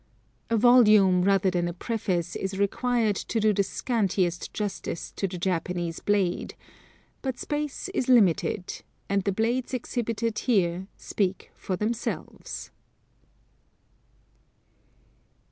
A volume rather than a preface is required to do the scantiest justice to the Japanese blade, but space is limited, and the blades exhibited here speak for themselves.